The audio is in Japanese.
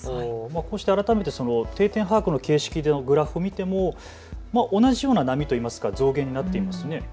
こうして改めて定点把握の形式のグラフを見ても同じような波というか増減になっていますね。